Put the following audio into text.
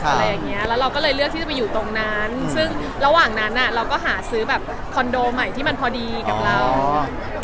อะไรอย่างเงี้ยแล้วเราก็เลยเลือกที่จะไปอยู่ตรงนั้นซึ่งระหว่างนั้นอ่ะเราก็หาซื้อแบบคอนโดใหม่ที่มันพอดีกับเรา